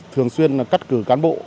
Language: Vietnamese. thường xuyên cắt cử cán bộ